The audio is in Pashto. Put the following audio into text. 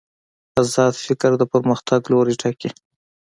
ازاد فکر د پرمختګ لوری ټاکي.